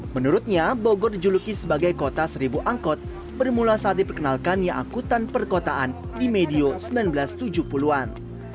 menurutnya bogor dijuluki sebagai kota seribu angkot bermula saat diperkenalkannya angkutan perkotaan di medio seribu sembilan ratus tujuh puluh an